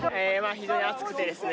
非常に暑くてですね